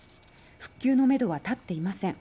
復旧のめどは立っていません。